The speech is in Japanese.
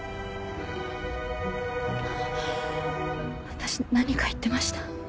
私何か言ってました？